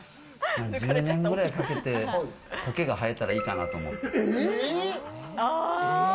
１０年ぐらいかけてコケが生えたらいいかなと思って。